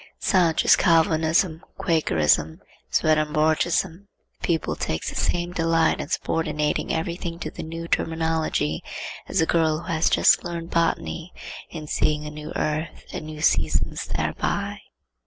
Such is Calvinism, Quakerism, Swedenborgism. The pupil takes the same delight in subordinating every thing to the new terminology as a girl who has just learned botany in seeing a new earth and new seasons thereby.